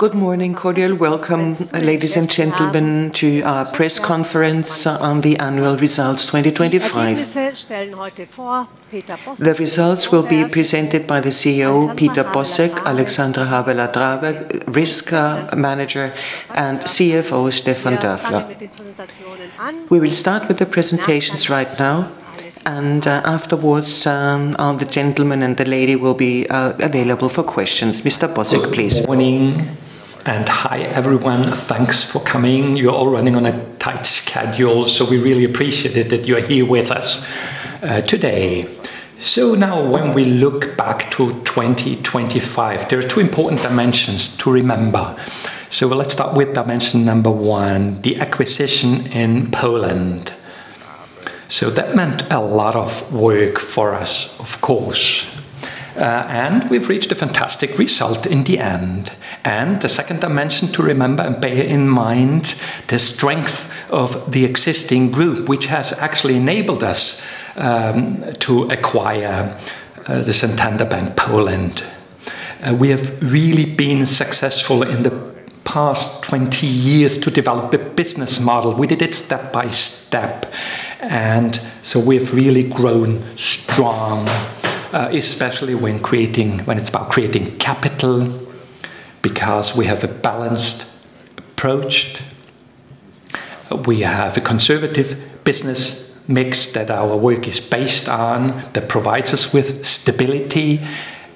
Good morning. Cordial welcome, ladies and gentlemen, to our press conference on the annual results 2025. The results will be presented by CEO Peter Bosek, Alexandra Habeler-Drabek, Risk Manager, and CFO Stefan Dörfler. We will start with the presentations right now, and afterwards, all the gentlemen and the lady will be available for questions. Mr. Bosek, please. Good morning, and hi, everyone. Thanks for coming. You're all running on a tight schedule, so we really appreciate it that you're here with us today. Now, when we look back to 2025, there are two important dimensions to remember. Let's start with dimension number one, the acquisition in Poland. That meant a lot of work for us, of course, and we've reached a fantastic result in the end. The second dimension to remember and bear in mind, the strength of the existing group, which has actually enabled us to acquire the Santander Bank Poland. We have really been successful in the past 20 years to develop a business model. We did it step by step, and so we've really grown strong, especially when it's about creating capital, because we have a balanced approach. We have a conservative business mix that our work is based on, that provides us with stability,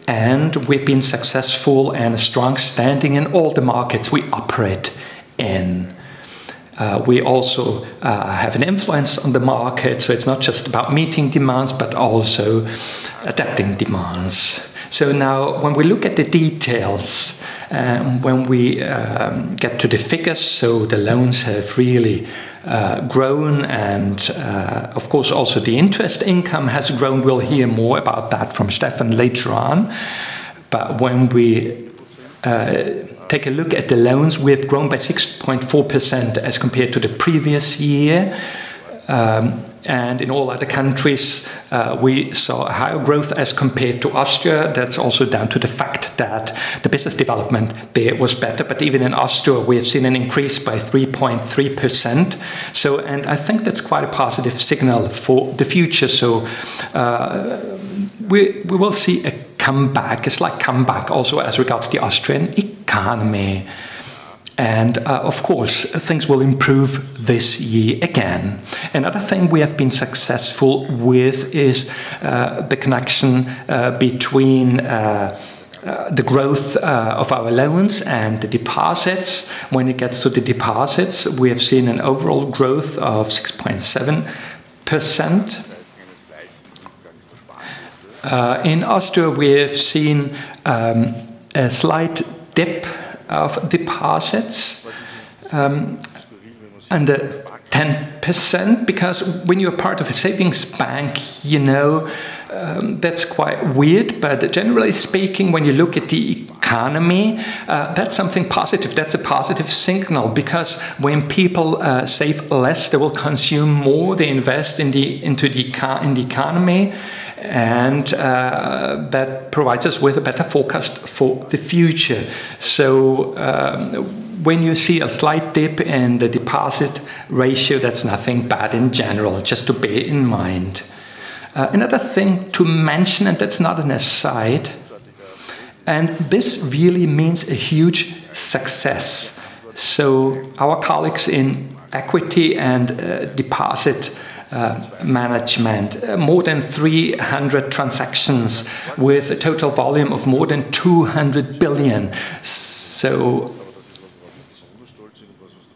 and we've been successful and strong, standing in all the markets we operate in. We also have an influence on the market, so it's not just about meeting demands, but also adapting demands. Now, when we look at the details, when we get to the figures, so the loans have really grown and, of course, also the interest income has grown. We'll hear more about that from Stefan later on. When we take a look at the loans, we have grown by 6.4% as compared to the previous year. In all other countries, we saw higher growth as compared to Austria. That's also down to the fact that the business development there was better. Even in Austria, we have seen an increase by 3.3%. I think that's quite a positive signal for the future. We will see a comeback, a slight comeback, also as regards to the Austrian economy. Of course, things will improve this year again. Another thing we have been successful with is the connection between the growth of our loans and the deposits. When it gets to the deposits, we have seen an overall growth of 6.7%. In Austria, we have seen a slight dip of deposits under 10%, because when you're part of a savings bank, you know, that's quite weird. Generally speaking, when you look at the economy, that's something positive. That's a positive signal, because when people save less, they will consume more. They invest in the economy, that provides us with a better forecast for the future. When you see a slight dip in the deposit ratio, that's nothing bad in general, just to bear in mind. Another thing to mention, that's not an aside, this really means a huge success. Our colleagues in equity and deposit management, more than 300 transactions with a total volume of more than 200 billion.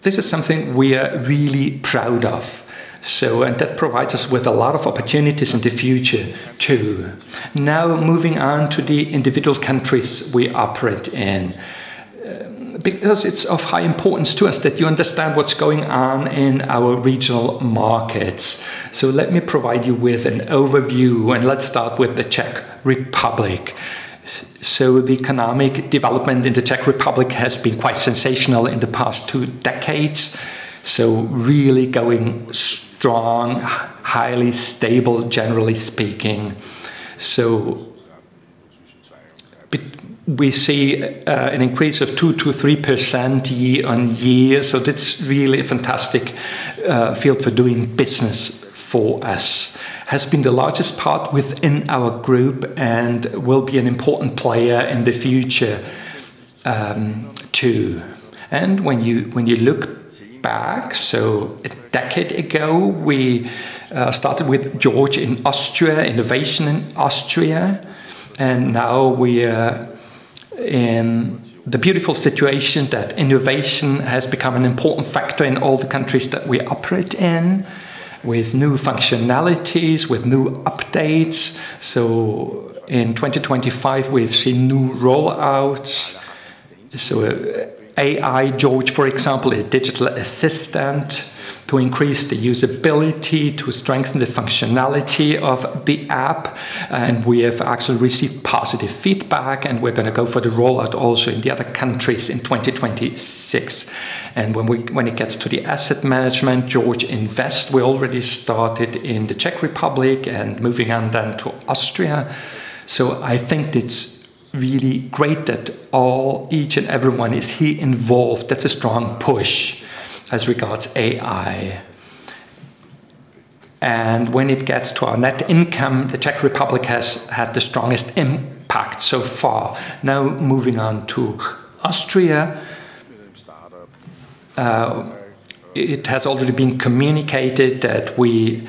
This is something we are really proud of, that provides us with a lot of opportunities in the future, too. Moving on to the individual countries we operate in. Because it's of high importance to us that you understand what's going on in our regional markets. Let me provide you with an overview, and let's start with the Czech Republic. The economic development in the Czech Republic has been quite sensational in the past two decades. Really going strong, highly stable, generally speaking. We see an increase of 2%-3% year-on-year. That's really a fantastic field for doing business for us. Has been the largest part within our group and will be an important player in the future, too. When you look back, a decade ago, we started with George in Austria, innovation in Austria. Now we are in the beautiful situation that innovation has become an important factor in all the countries that we operate in, with new functionalities, with new updates. In 2025, we've seen new rollouts. AI, George, for example, a digital assistant to increase the usability, to strengthen the functionality of the app. We have actually received positive feedback. We're gonna go for the rollout also in the other countries in 2026. When it gets to the asset management, George Invest, we already started in the Czech Republic moving on then to Austria. I think it's really great that all, each and everyone is here involved. That's a strong push as regards AI. When it gets to our net income, the Czech Republic has had the strongest impact so far. Moving on to Austria. It has already been communicated that we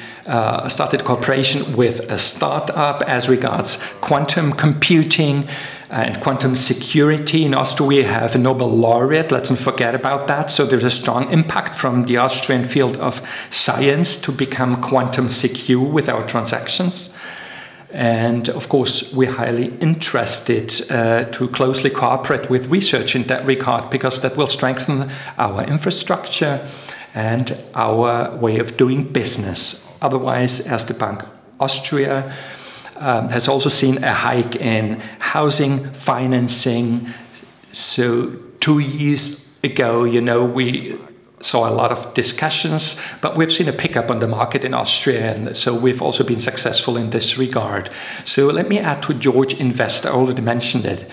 started cooperation with a start-up as regards quantum computing and quantum security. In Austria, we have a Nobel laureate. Let's not forget about that. There's a strong impact from the Austrian field of science to become quantum secure with our transactions, and of course, we're highly interested to closely cooperate with research in that regard because that will strengthen our infrastructure and our way of doing business. As the Bank, Austria, has also seen a hike in housing financing. Two years ago, you know, we saw a lot of discussions, but we've seen a pickup on the market in Austria, and so we've also been successful in this regard. Let me add to George Invest, I already mentioned it.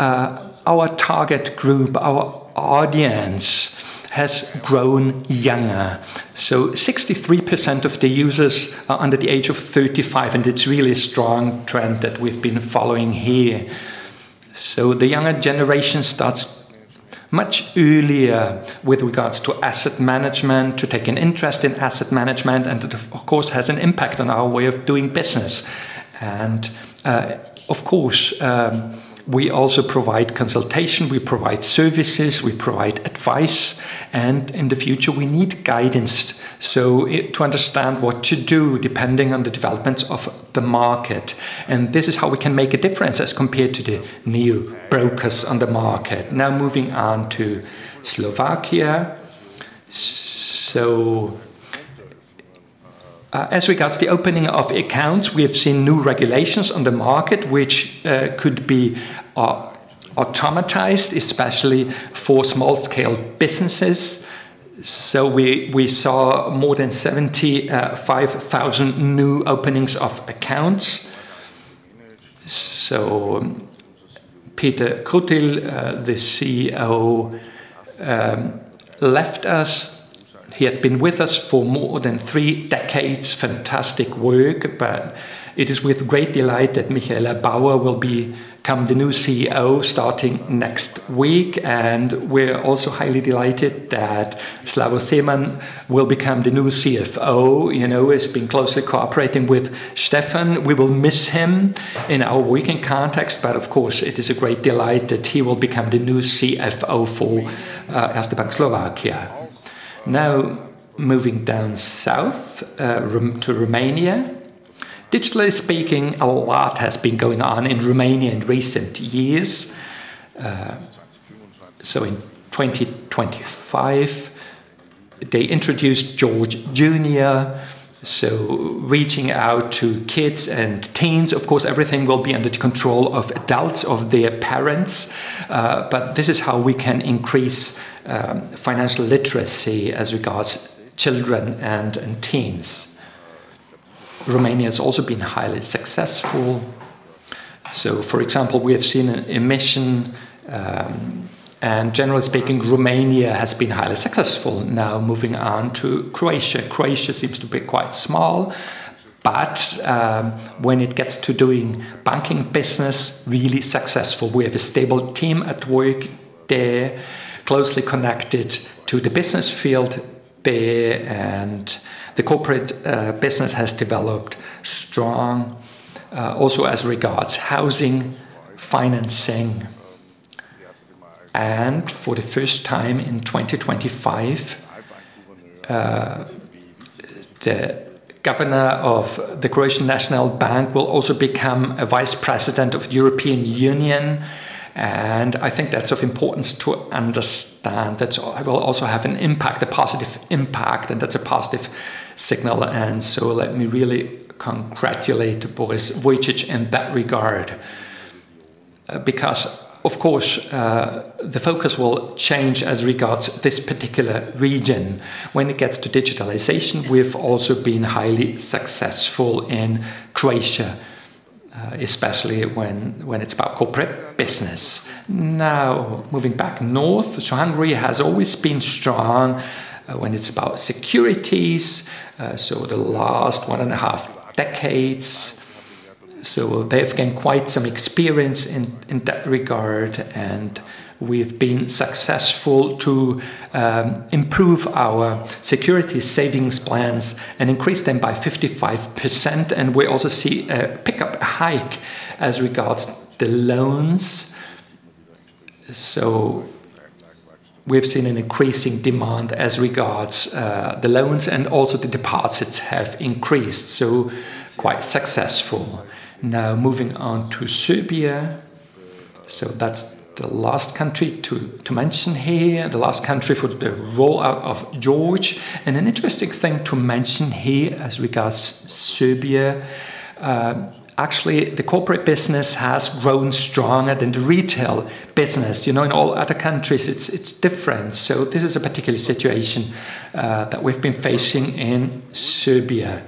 Our target group, our audience has grown younger, 63% of the users are under the age of 35, and it's really a strong trend that we've been following here. The younger generation starts much earlier with regards to asset management, to take an interest in asset management, and that, of course, has an impact on our way of doing business. Of course, we also provide consultation, we provide services, we provide advice, and in the future, we need guidance to understand what to do depending on the developments of the market. This is how we can make a difference as compared to the new brokers on the market. Moving on to Slovakia. As regards to the opening of accounts, we have seen new regulations on the market, which could be automatized, especially for small-scale businesses. We saw more than 75,000 new openings of accounts. Peter Krutil, the CEO, left us. He had been with us for more than three decades. Fantastic work, but it is with great delight that Michaela Bauer will become the new CEO starting next week, and we're also highly delighted that Slavo Seemann will become the new CFO. You know, he's been closely cooperating with Stefan. We will miss him in our working context, but of course, it is a great delight that he will become the new CFO for Erste Bank Slovakia. Moving down south to Romania. Digitally speaking, a lot has been going on in Romania in recent years. In 2025, they introduced George Junior, so reaching out to kids and teens. Of course, everything will be under the control of adults, of their parents, this is how we can increase financial literacy as regards children and teens. Romania has also been highly successful. For example, we have seen an emission, and generally speaking, Romania has been highly successful. Moving on to Croatia. Croatia seems to be quite small, when it gets to doing banking business, really successful. We have a stable team at work there, closely connected to the business field there, and the corporate business has developed strong, also as regards housing, financing. For the first time in 2025, the Governor of the Croatian National Bank will also become a Vice President of European Union, I think that's of importance to understand. That will also have an impact, a positive impact, That's a positive signal, Let me really congratulate Boris Vujčić in that regard, because, of course, the focus will change as regards this particular region. When it gets to digitalization, we've also been highly successful in Croatia, especially when it's about corporate business. Moving back north, Hungary has always been strong, when it's about securities, so the last one and a half decades. They've gained quite some experience in that regard, and we've been successful to improve our security savings plans and increase them by 55%, and we also see a pickup, a hike, as regards the loans. We've seen an increasing demand as regards the loans, and also the deposits have increased, so quite successful. Now, moving on to Serbia. That's the last country to mention here, the last country for the roll out of George. An interesting thing to mention here as regards Serbia, actually, the corporate business has grown stronger than the retail business. You know, in all other countries, it's different. This is a particular situation that we've been facing in Serbia.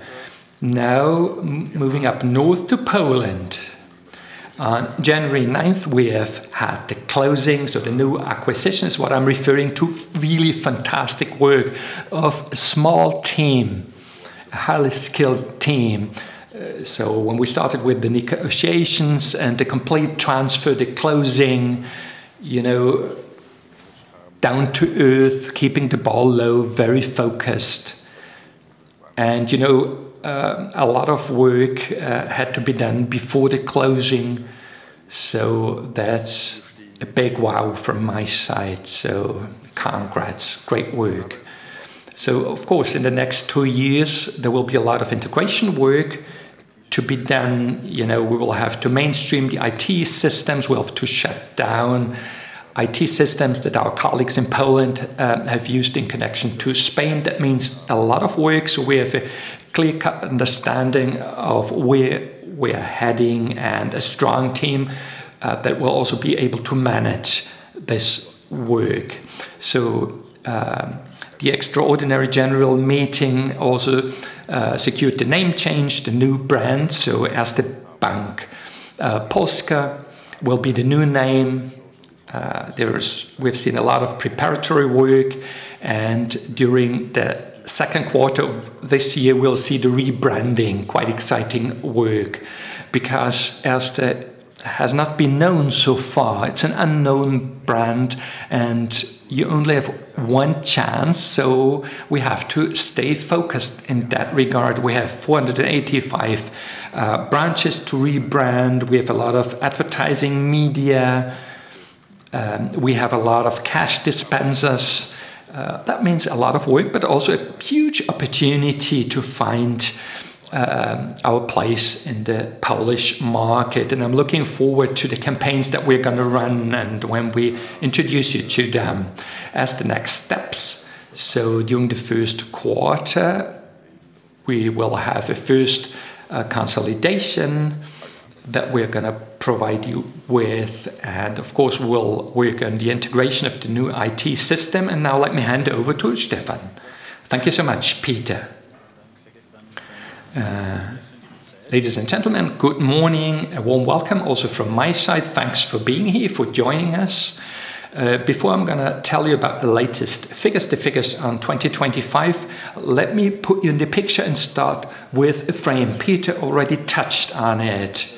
Now, moving up north to Poland. On January 9th, we have had the closings of the new acquisitions, what I'm referring to really fantastic work of a small team, a highly skilled team. When we started with the negotiations and the complete transfer, the closing, you know, down to earth, keeping the ball low, very focused. You know, a lot of work had to be done before the closing, that's a big wow from my side. Congrats, great work. Of course, in the next two years, there will be a lot of integration work to be done. You know, we will have to mainstream the IT systems. We'll have to shut down IT systems that our colleagues in Poland have used in connection to Spain. That means a lot of work, we have a clear cut understanding of where we're heading and a strong team that will also be able to manage this work. The extraordinary general meeting also secured the name change, the new brand. Erste Bank Polska will be the new name, we've seen a lot of preparatory work, and during the second quarter of this year, we'll see the rebranding. Quite exciting work because that has not been known so far. It's an unknown brand, you only have one chance, so we have to stay focused in that regard. We have 485 branches to rebrand. We have a lot of advertising media, we have a lot of cash dispensers. That means a lot of work, but also a huge opportunity to find our place in the Polish market. I'm looking forward to the campaigns that we're gonna run and when we introduce you to them as the next steps. During the first quarter, we will have a first consolidation that we're gonna provide you with, and of course, we'll work on the integration of the new IT system. Now let me hand it over to Stefan. Thank you so much, Peter. Ladies and gentlemen, good morning. A warm welcome also from my side. Thanks for being here, for joining us. Before I'm gonna tell you about the latest figures, the figures on 2025, let me put you in the picture and start with a frame. Peter already touched on it.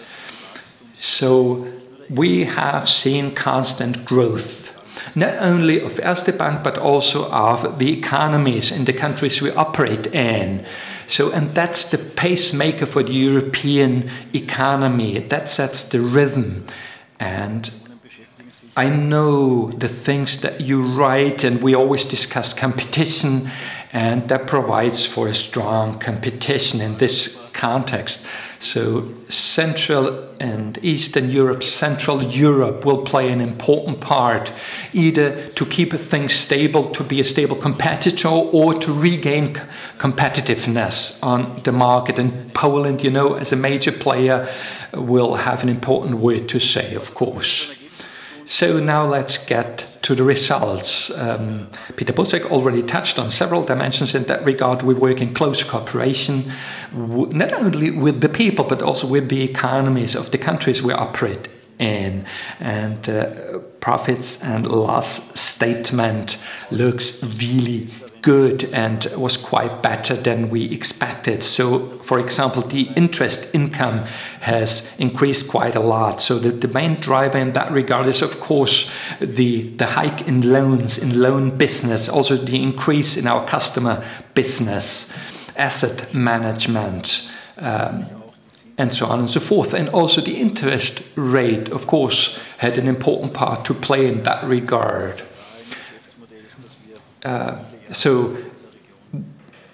So we have seen constant growth, not only of Erste Bank, but also of the economies in the countries we operate in. That's the pacemaker for the European economy. That sets the rhythm, and I know the things that you write, and we always discuss competition, and that provides for a strong competition in this context. Central and Eastern Europe, Central Europe will play an important part, either to keep things stable, to be a stable competitor, or to regain competitiveness on the market. Poland, you know, as a major player, will have an important word to say, of course. Now let's get to the results. Peter Bosek already touched on several dimensions in that regard. We work in close cooperation not only with the people, but also with the economies of the countries we operate in. Profits and loss statement looks really good and was quite better than we expected. For example, the interest income has increased quite a lot. The main driver in that regard is, of course, the hike in loans, in loan business, also the increase in our customer business, asset management, and so on and so forth. Also the interest rate, of course, had an important part to play in that regard.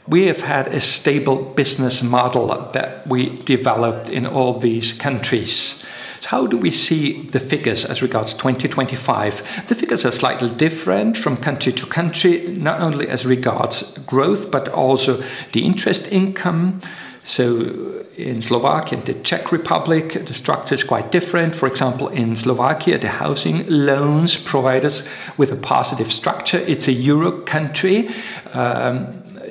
We have had a stable business model that we developed in all these countries. How do we see the figures as regards to 2025? The figures are slightly different from country to country, not only as regards growth, but also the interest income. In Slovakia and the Czech Republic, the structure is quite different. For example, in Slovakia, the housing loans provide us with a positive structure. It's a Europe country.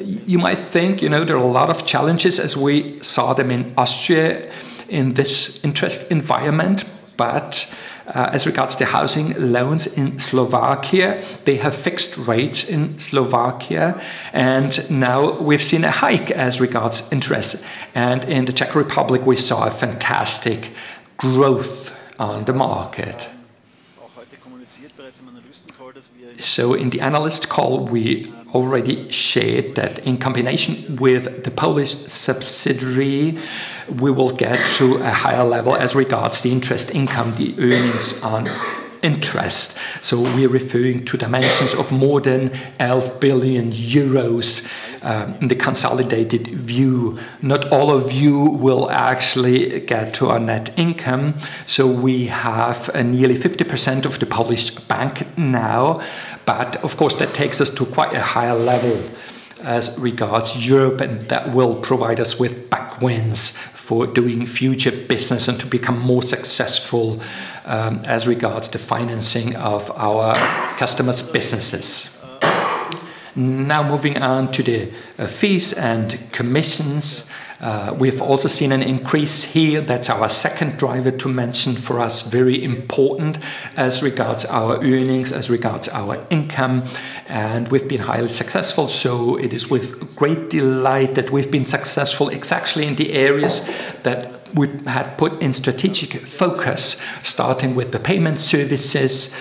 You might think, you know, there are a lot of challenges as we saw them in Austria in this interest environment. As regards to housing loans in Slovakia, they have fixed rates in Slovakia, and now we've seen a hike as regards interest. In the Czech Republic, we saw a fantastic growth on the market. In the analyst call, we already shared that in combination with the Polish subsidiary, we will get to a higher level as regards the interest income, the earnings interest. We are referring to dimensions of more than 11 billion euros in the consolidated view. Not all of you will actually get to our net income. We have a nearly 50% of the published bank now. Of course, that takes us to quite a higher level as regards Europe, and that will provide us with backwinds for doing future business and to become more successful as regards to financing of our customers' businesses. Moving on to the fees and commissions. We've also seen an increase here. That's our second driver to mention. For us, very important as regards our earnings, as regards our income, and we've been highly successful. It is with great delight that we've been successful exactly in the areas that we had put in strategic focus, starting with the payment services.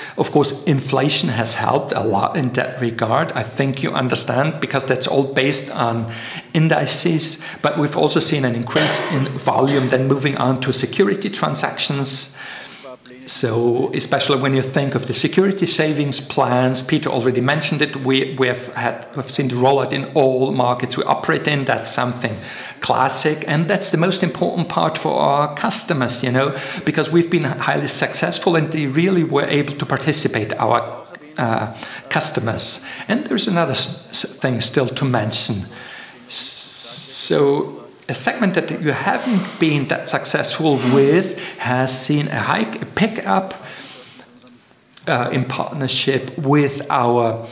Inflation has helped a lot in that regard. I think you understand, because that's all based on indices. We've also seen an increase in volume. Moving on to security transactions. Especially when you think of the security savings plans, Peter already mentioned it, we've seen the roll-out in all markets we operate in. That's something classic, that's the most important part for our customers, you know? We've been highly successful, and they really were able to participate, our customers. There's another thing still to mention. A segment that we haven't been that successful with has seen a hike, a pickup, in partnership with our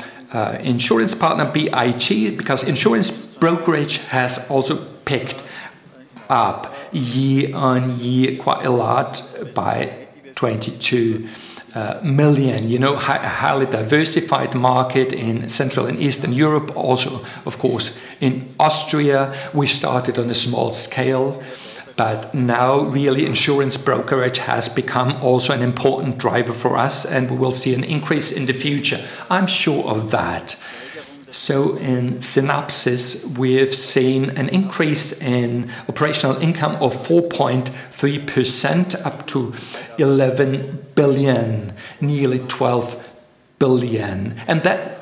insurance partner, VIG, because insurance brokerage has also picked up year on year quite a lot by 22 million. You know, highly diversified market in Central and Eastern Europe, also, of course, in Austria. We started on a small scale, now really, insurance brokerage has become also an important driver for us, and we will see an increase in the future. I'm sure of that. In synopsis, we have seen an increase in operational income of 4.3%, up to 11 billion, nearly 12 billion, and that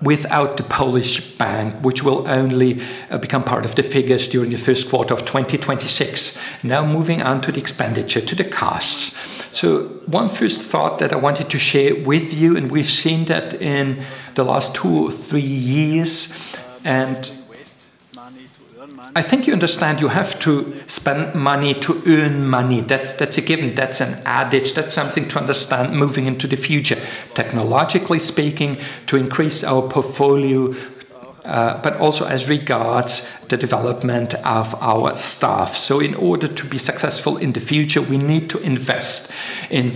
without the Polish bank, which will only become part of the figures during the first quarter of 2026. Moving on to the expenditure, to the costs. One first thought that I wanted to share with you, and we've seen that in the last two or three years. Waste money to earn money. I think you understand you have to spend money to earn money. That's a given. That's an adage. That's something to understand moving into the future, technologically speaking, to increase our portfolio, but also as regards the development of our staff. In order to be successful in the future, we need to invest in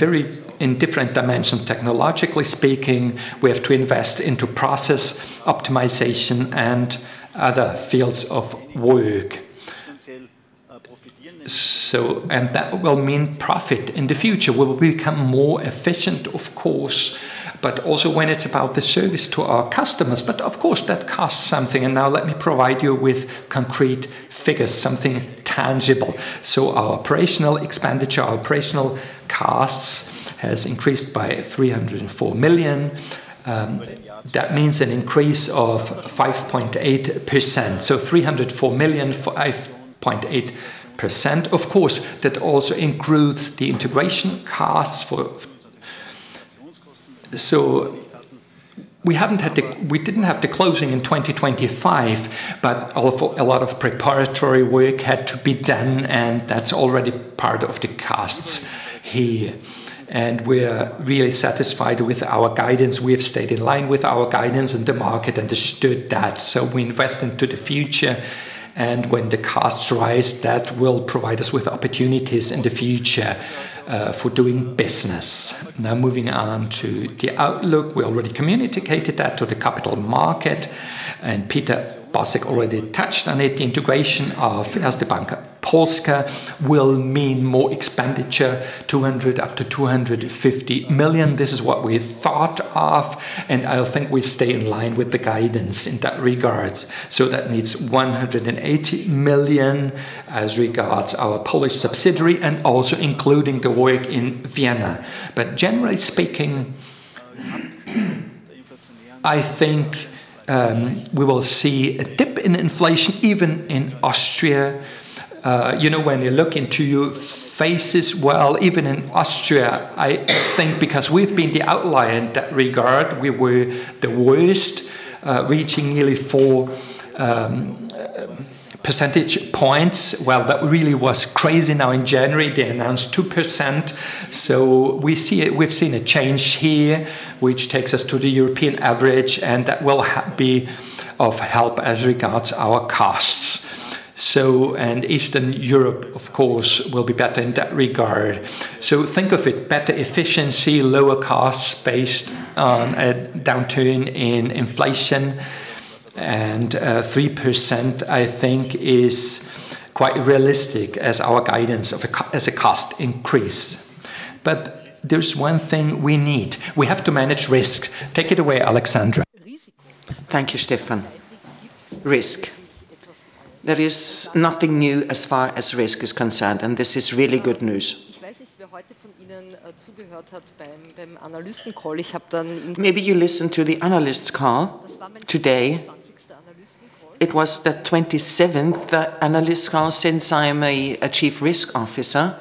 different dimensions. Technologically speaking, we have to invest into process optimization and other fields of work. That will mean profit in the future. We will become more efficient, of course, but also when it's about the service to our customers. Of course, that costs something, and now let me provide you with concrete figures, something tangible. Our operational expenditure, our operational costs, has increased by 304 million. That means an increase of 5.8%, 304 million, 5.8%. Of course, that also includes the integration costs for. We didn't have the closing in 2025, but a lot of preparatory work had to be done, and that's already part of the costs here. We're really satisfied with our guidance. We have stayed in line with our guidance, and the market understood that. We invest into the future, and when the costs rise, that will provide us with opportunities in the future for doing business. Now, moving on to the outlook. We already communicated that to the capital market, and Peter Bosek already touched on it. The integration of Erste Bank Polska will mean more expenditure, 200 million up to 250 million. This is what we thought of, and I think we stay in line with the guidance in that regards. That means 180 million as regards our Polish subsidiary and also including the work in Vienna. Generally speaking, I think, we will see a dip in inflation, even in Austria. You know, when you look into your faces, well, even in Austria, I think because we've been the outlier in that regard, we were the worst, reaching nearly 4 percentage points. Well, that really was crazy. Now, in January, they announced 2%, so we've seen a change here, which takes us to the European average, and that will be of help as regards our costs. Eastern Europe, of course, will be better in that regard. Think of it, better efficiency, lower costs based on a downturn in inflation, and 3%, I think, is quite realistic as our guidance as a cost increase. There's one thing we need. We have to manage risk. Take it away, Alexandra. Thank you, Stefan. Risk. There is nothing new as far as risk is concerned, and this is really good news. Maybe you listened to the analyst call today. It was the 27th analyst call since I'm a Chief Risk Officer,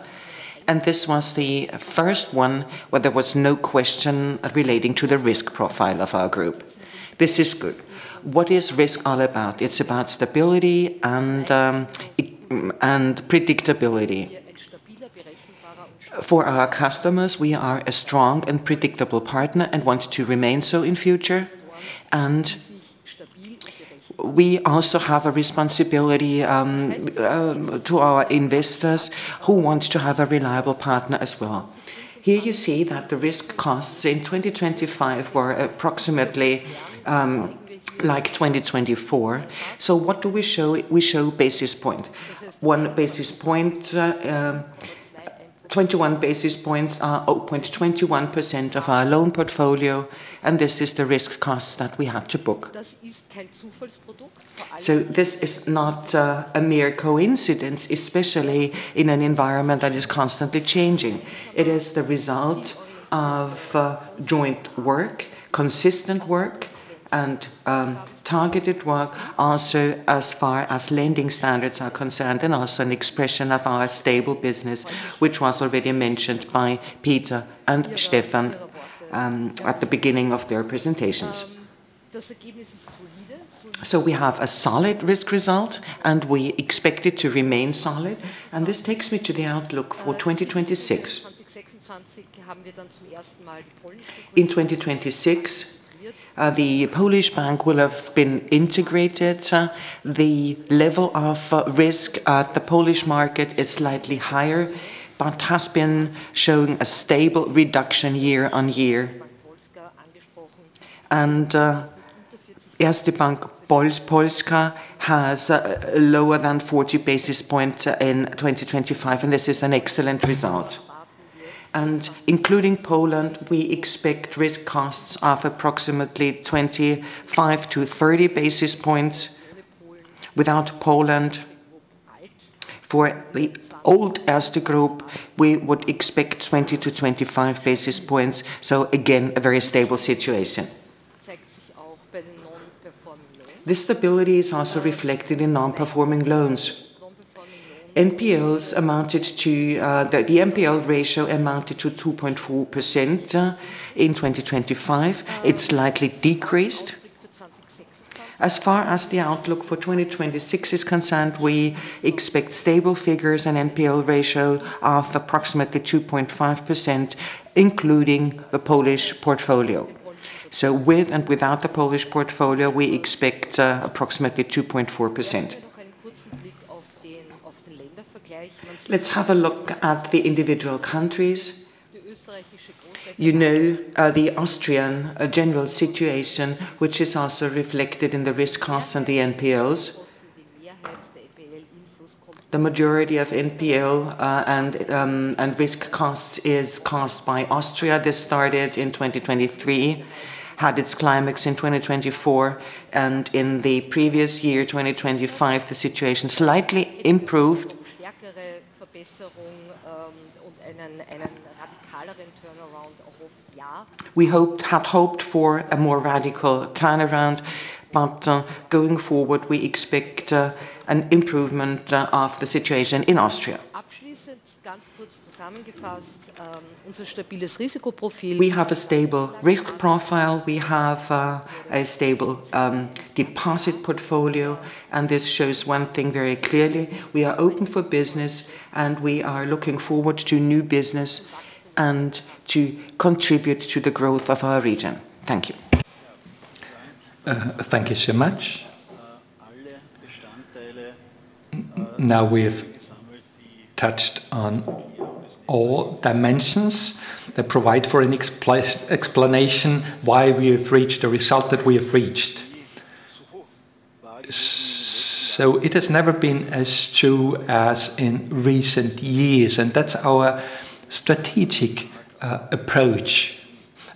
and this was the first one where there was no question relating to the risk profile of our group. This is good. What is risk all about? It's about stability and predictability. For our customers, we are a strong and predictable partner and want to remain so in future. We also have a responsibility to our investors, who wants to have a reliable partner as well. Here you see that the risk costs in 2025 were approximately like 2024. What do we show? We show basis point. 1 basis point, 21 basis points are 0.21% of our loan portfolio, and this is the risk costs that we had to book. This is not a mere coincidence, especially in an environment that is constantly changing. It is the result of joint work, consistent work, and targeted work, also as far as lending standards are concerned, and also an expression of our stable business, which was already mentioned by Peter and Stefan at the beginning of their presentations. We have a solid risk result, and we expect it to remain solid. This takes me to the outlook for 2026. In 2026, the Polish bank will have been integrated. The level of risk at the Polish market is slightly higher, but has been showing a stable reduction year on year. Erste Bank Polska has lower than 40 basis points in 2025, and this is an excellent result. Including Poland, we expect risk costs of approximately 25-30 basis points. Without Poland, for the old Erste Group, we would expect 20-25 basis points, so again, a very stable situation. This stability is also reflected in non-performing loans. NPLs amounted to the NPL ratio amounted to 2.4% in 2025. It's likely decreased. As far as the outlook for 2026 is concerned, we expect stable figures and NPL ratio of approximately 2.5%, including the Polish portfolio. With and without the Polish portfolio, we expect approximately 2.4%. Let's have a look at the individual countries. You know, the Austrian general situation, which is also reflected in the risk costs and the NPLs. The majority of NPL and risk cost is caused by Austria. This started in 2023, had its climax in 2024, and in the previous year, 2025, the situation slightly improved. We had hoped for a more radical turnaround, but going forward, we expect an improvement of the situation in Austria. We have a stable risk profile, we have a stable deposit portfolio, and this shows one thing very clearly: we are open for business, and we are looking forward to new business and to contribute to the growth of our region. Thank you. Thank you so much. Now we have touched on all dimensions that provide for an explanation why we have reached the result that we have reached. It has never been as true as in recent years, and that's our strategic approach.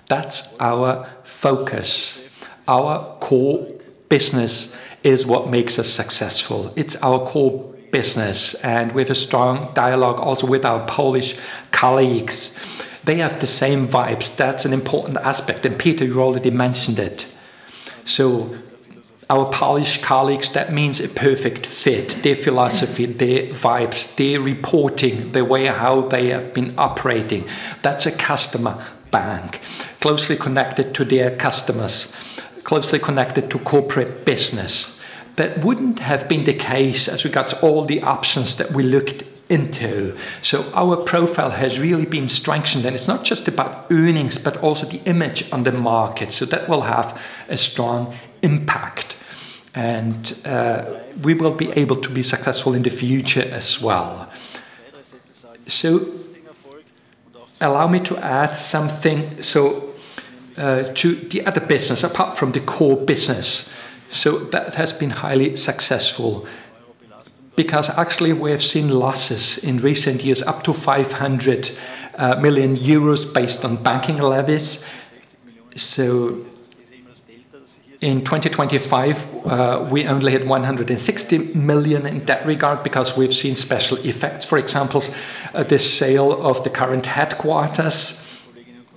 That's our focus. Our core business is what makes us successful. It's our core business, and with a strong dialogue also with our Polish colleagues. They have the same vibes. That's an important aspect, and Peter, you already mentioned it. Our Polish colleagues, that means a perfect fit. Their philosophy, their vibes, their reporting, the way how they have been operating, that's a customer bank, closely connected to their customers, closely connected to corporate business. That wouldn't have been the case as regards all the options that we looked into. Our profile has really been strengthened, and it's not just about earnings, but also the image on the market. That will have a strong impact, and we will be able to be successful in the future as well. Allow me to add something. To the other business, apart from the core business, so that has been highly successful, because actually we have seen losses in recent years, up to 500 million euros based on banking levies. In 2025, we only had 160 million in that regard because we've seen special effects. For example, the sale of the current headquarters,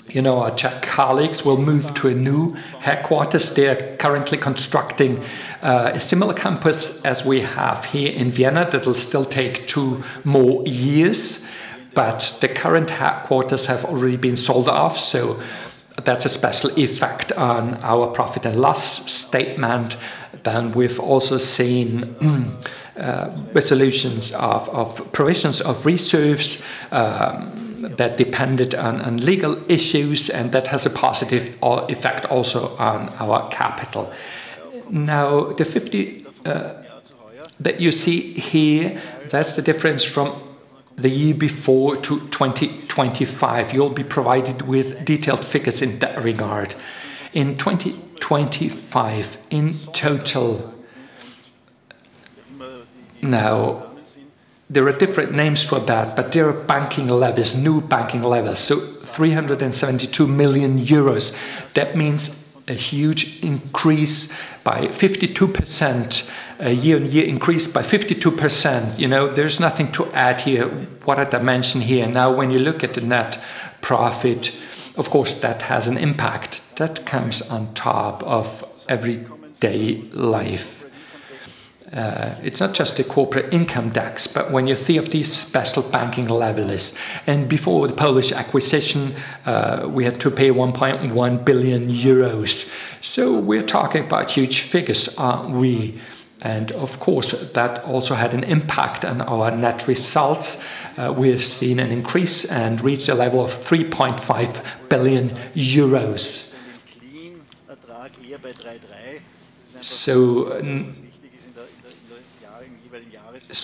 you know, our Czech colleagues will move to a new headquarters. They are currently constructing a similar campus as we have here in Vienna. That will still take 2 more years, but the current headquarters have already been sold off, so that's a special effect on our profit and loss statement. We've also seen resolutions of provisions of reserves that depended on legal issues, and that has a positive effect also on our capital. The 50 that you see here, that's the difference from the year before to 2025. You'll be provided with detailed figures in that regard. In 2025, in total, there are different names for that, but there are banking levies, new banking levies, so 372 million euros. That means a huge increase by 52%, a year-on-year increase by 52%. You know, there's nothing to add here. What did I mention here? When you look at the net profit, of course, that has an impact. That comes on top of everyday life. It's not just the corporate income tax, but when you think of these special banking levies. Before the Polish acquisition, we had to pay 1.1 billion euros. We're talking about huge figures, aren't we? Of course, that also had an impact on our net results. We have seen an increase and reached a level of 3.5 billion euros.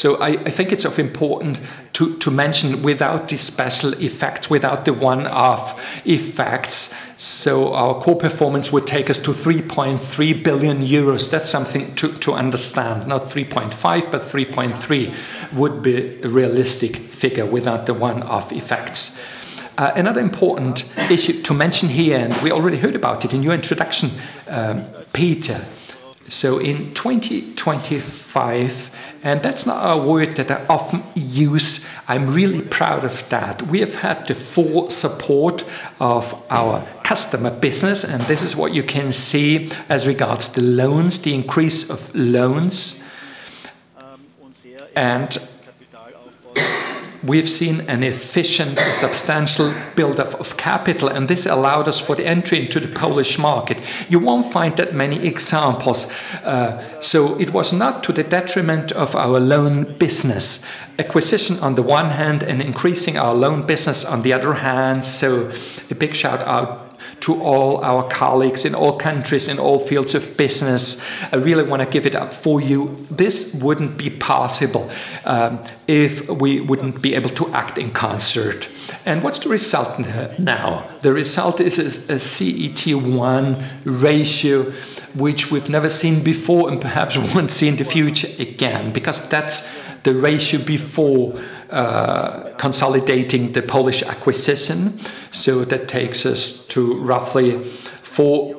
I think it's of important to mention without the special effects, without the one-off effects, our core performance would take us to 3.3 billion euros. That's something to understand. Not 3.5 billion, but 3.3 billion would be a realistic figure without the one-off effects. Another important issue to mention here, and we already heard about it in your introduction, Peter. In 2025, and that's not a word that I often use, I'm really proud of that. We have had the full support of our customer business, this is what you can see as regards to the loans, the increase of loans. We've seen an efficient and substantial buildup of capital, and this allowed us for the entry into the Polish market. You won't find that many examples. It was not to the detriment of our loan business. Acquisition on the one hand and increasing our loan business on the other hand, a big shout-out to all our colleagues in all countries, in all fields of business. I really wanna give it up for you. This wouldn't be possible if we wouldn't be able to act in concert. What's the result now? The result is a CET1 ratio, which we've never seen before and perhaps won't see in the future again, because that's the ratio before consolidating the Polish acquisition. That takes us to roughly 4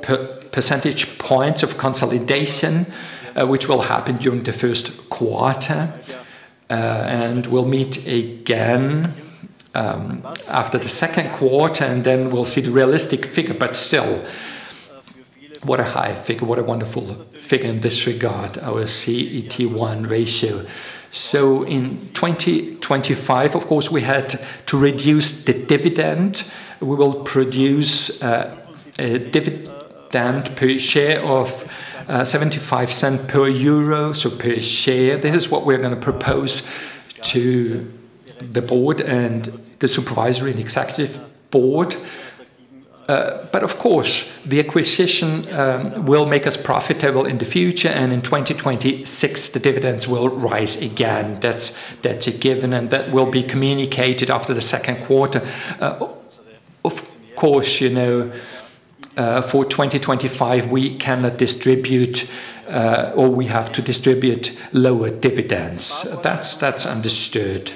percentage points of consolidation, which will happen during the 1st quarter. And we'll meet again after the 2nd quarter, and then we'll see the realistic figure. Still, what a high figure, what a wonderful figure in this regard, our CET1 ratio. In 2025, of course, we had to reduce the dividend. We will produce a dividend per share of 0.75 per share. This is what we're gonna propose to the board and the supervisory and executive board. Of course, the acquisition will make us profitable in the future, and in 2026, the dividends will rise again. That's a given. That will be communicated after the second quarter. Of course, you know, for 2025, we cannot distribute or we have to distribute lower dividends. That's understood.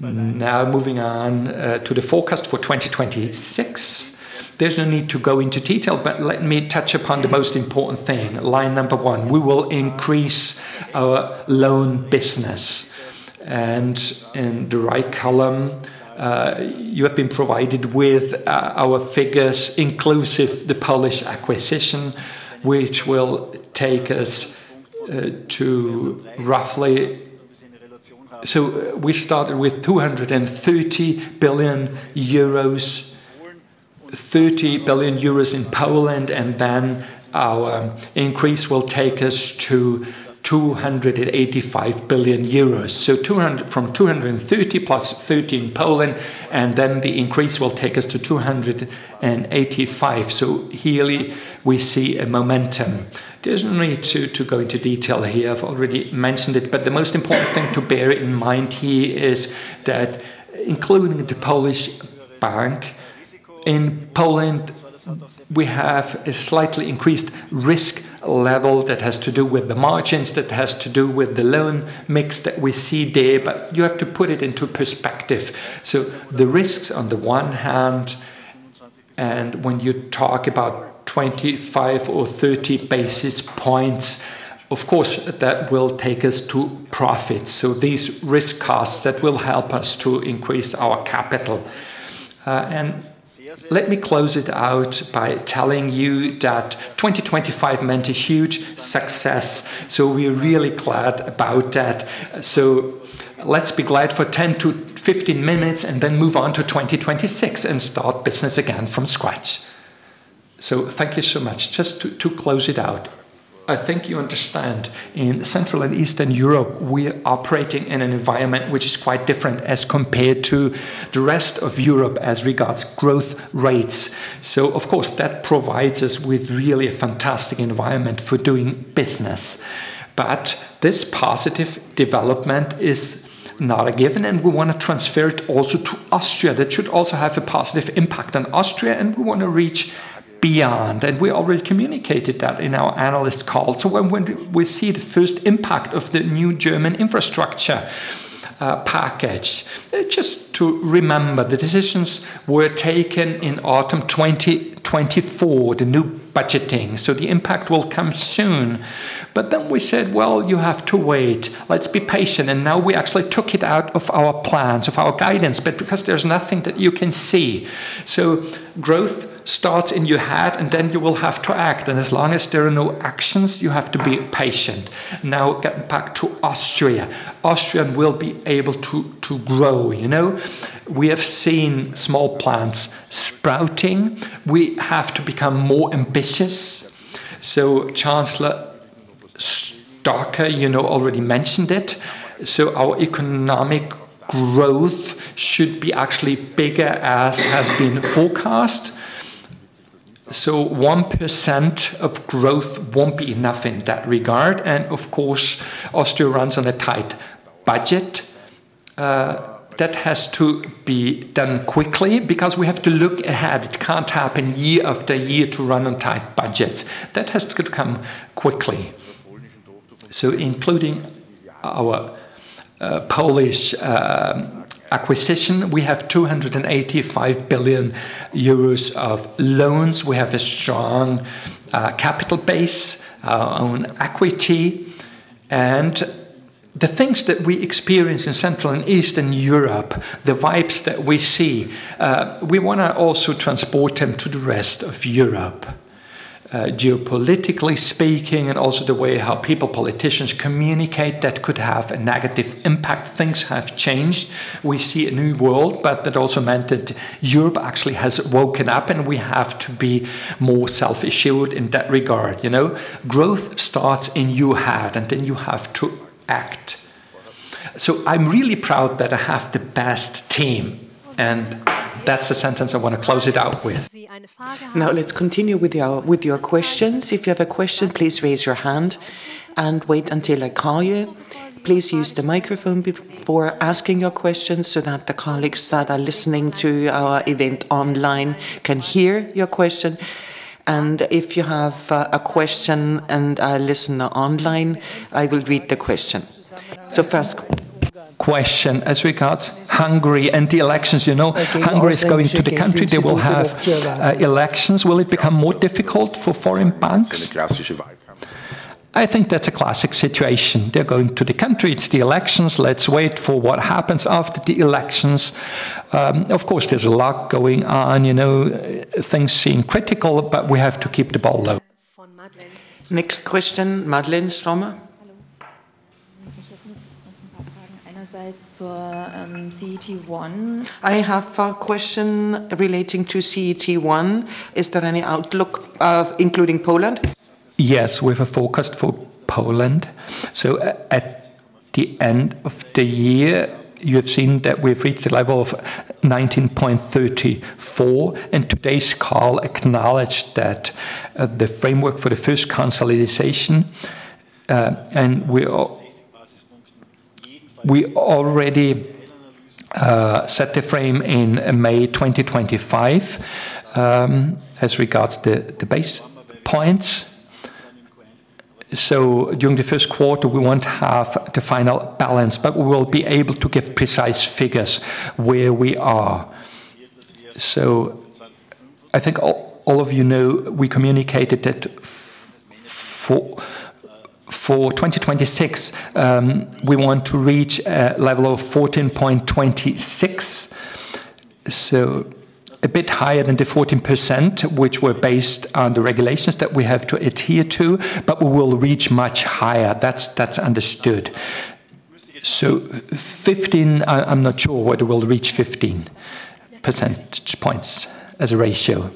Now, moving on to the forecast for 2026. There's no need to go into detail, but let me touch upon the most important thing, line number one: We will increase our loan business. In the right column, you have been provided with our figures, inclusive the Polish acquisition, which will take us to roughly. We started with 230 billion euros, 30 billion euros in Poland, and then our increase will take us to 285 billion euros. From 230 billion + 30 billion in Poland, and then the increase will take us to 285. Here, we see a momentum. There's no need to go into detail here. I've already mentioned it. The most important thing to bear in mind here is that including the Polish bank, in Poland, we have a slightly increased risk level that has to do with the margins, that has to do with the loan mix that we see there. You have to put it into perspective. The risks, on the one hand. When you talk about 25 or 30 basis points, of course, that will take us to profit. These risk costs, that will help us to increase our capital. Let me close it out by telling you that 2025 meant a huge success, so we're really glad about that. Let's be glad for 10-15 minutes and then move on to 2026 and start business again from scratch. Thank you so much. Just to close it out, I think you understand, in Central and Eastern Europe, we are operating in an environment which is quite different as compared to the rest of Europe as regards growth rates. Of course, that provides us with really a fantastic environment for doing business. This positive development is not a given, and we want to transfer it also to Austria. That should also have a positive impact on Austria, and we want to reach beyond, and we already communicated that in our analyst call. When do we see the first impact of the new German infrastructure package? Just to remember, the decisions were taken in autumn 2024, the new budgeting, the impact will come soon. We said, "Well, you have to wait. Let's be patient." Now we actually took it out of our plans, of our guidance, because there's nothing that you can see. Growth starts in your head, you will have to act, as long as there are no actions, you have to be patient. Getting back to Austria. Austria will be able to grow, you know? We have seen small plants sprouting. We have to become more ambitious. Chancellor Stocker, you know, already mentioned it. Our economic growth should be actually bigger as has been forecast. 1% of growth won't be enough in that regard, of course, Austria runs on a tight budget. That has to be done quickly because we have to look ahead. It can't happen year after year to run on tight budgets. That has to come quickly. Including our Polish acquisition, we have 285 billion euros of loans. We have a strong capital base on equity. The things that we experience in Central and Eastern Europe, the vibes that we see, we wanna also transport them to the rest of Europe. Geopolitically speaking, and also the way how people, politicians communicate, that could have a negative impact. Things have changed. We see a new world, but that also meant that Europe actually has woken up, and we have to be more self-assured in that regard, you know. Growth starts in your head, and then you have to act. I'm really proud that I have the best team, and that's the sentence I want to close it out with. Now, let's continue with your questions. If you have a question, please raise your hand and wait until I call you. Please use the microphone before asking your question so that the colleagues that are listening to our event online can hear your question. If you have a question and a listener online, I will read the question. First. Question as regards Hungary and the elections. You know. Hungary is going to the country, they will have, elections. Will it become more difficult for foreign banks? I think that's a classic situation. They're going to the country. It's the elections. Let's wait for what happens after the elections. Of course, there's a lot going on, you know. Things seem critical. We have to keep the ball low. Next question, [Madeleine Strohmaier]. Hello. CET1. I have a question relating to CET1. Is there any outlook of including Poland? We have a forecast for Poland. At the end of the year, you have seen that we've reached a level of 19.34%, and today's call acknowledged that the framework for the first consolidation, and we already set the frame in May 2025 as regards to the basis points. During the first quarter, we won't have the final balance, but we will be able to give precise figures where we are. I think all of you know, we communicated that for 2026, we want to reach a level of 14.26%. A bit higher than the 14%, which were based on the regulations that we have to adhere to, but we will reach much higher. That's understood. I'm not sure whether we'll reach 15 percentage points as a ratio.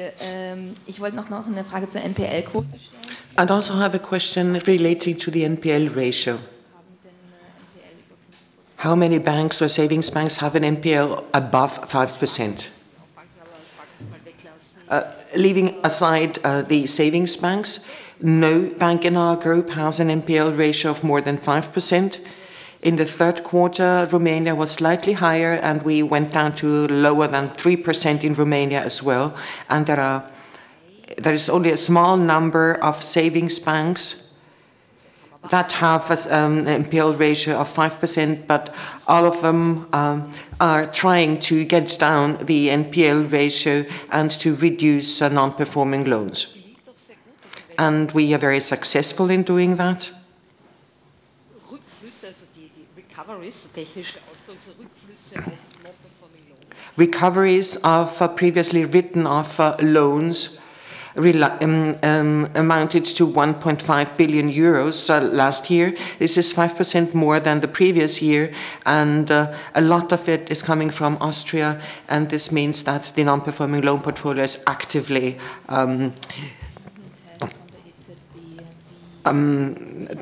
Yeah. I'd also have a question relating to the NPL ratio. How many banks or savings banks have an NPL above 5%? Leaving aside, the savings banks, no bank in our group has an NPL ratio of more than 5%. In the third quarter, Romania was slightly higher, and we went down to lower than 3% in Romania as well, and there is only a small number of savings banks that have an NPL ratio of 5%, but all of them are trying to get down the NPL ratio and to reduce non-performing loans. We are very successful in doing that. Recoveries of previously written off loans rely amounted to 1.5 billion euros last year. This is 5% more than the previous year, and a lot of it is coming from Austria, and this means that the non-performing loan portfolio is actively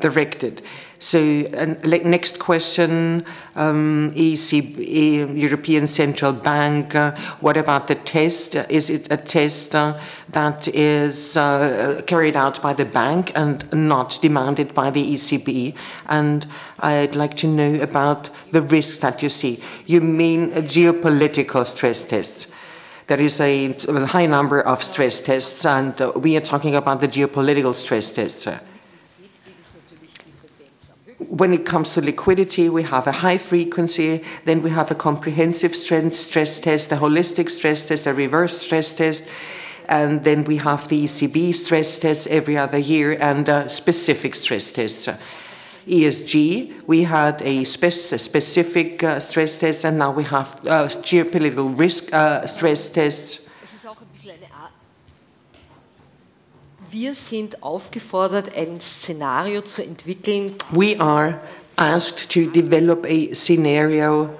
directed. Next question, ECB, European Central Bank, what about the test? Is it a test that is carried out by the bank and not demanded by the ECB? I'd like to know about the risk that you see. You mean a geopolitical stress test. There is a, sort of, a high number of stress tests. We are talking about the geopolitical stress test. When it comes to liquidity, we have a high frequency. We have a comprehensive stress test, a holistic stress test, a reverse stress test. We have the ECB stress test every other year and specific stress tests. ESG, we had a specific stress test. Now we have geopolitical risk stress tests. We are asked to develop a scenario